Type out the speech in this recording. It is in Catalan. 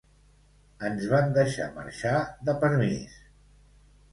Ens van deixar marxar de permís